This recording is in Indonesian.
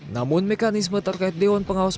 namun mekanisme terkait dewan pengawas